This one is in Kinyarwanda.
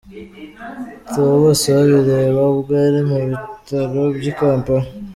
Theo Bosebabireba ubwo yari mu bitaro by'i Kampala.